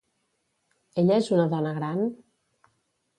Ella és una dona gran?